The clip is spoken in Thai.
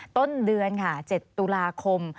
ต้นเดือนค่ะ๗ตุลาคม